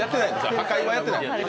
破壊はやってないです。